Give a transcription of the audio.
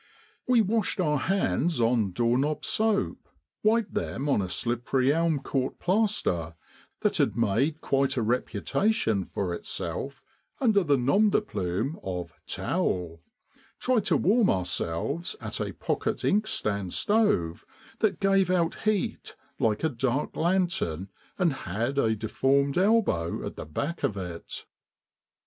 We washed our hands on door knob soap, wiped them on a slippery elm court plaster, that had made quite a reputation for itself under the non de plume of "Towel," tried to warm ourselves at a pocket inkstand stove, that gave out heat like a dark lantern and had a deformed elbow at the back of it.